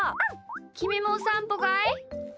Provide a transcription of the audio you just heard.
きみもおさんぽかい？